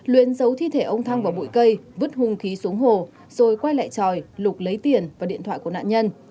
luyến giấu thi thể ông thăng vào bụi cây vứt hung khí xuống hồ rồi quay lại tròi lục lấy tiền và điện thoại của nạn nhân